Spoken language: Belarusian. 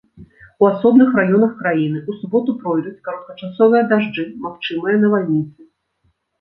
У асобных раёнах краіны ў суботу пройдуць кароткачасовыя дажджы, магчымыя навальніцы.